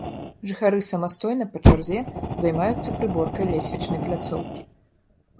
Жыхары самастойна, па чарзе, займаюцца прыборкай лесвічнай пляцоўкі.